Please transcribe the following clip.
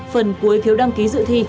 phần cuối phiếu đăng ký dự thi